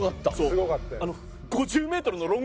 すごかったよ。